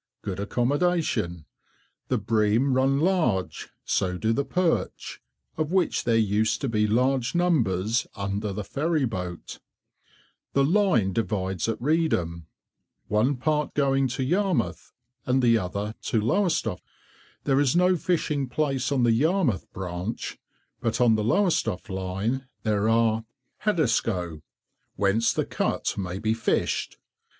Good accommodation. The bream run large, so do the perch, of which there used to be large numbers under the ferry boat. The line divides at Reedham, one part going to Yarmouth and the other to Lowestoft. There is no fishing place on the Yarmouth branch, but on the Lowestoft line there are— HADDISCOE, whence the Cut may be fished.